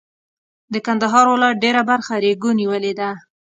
د کندهار ولایت ډېره برخه ریګو نیولې ده.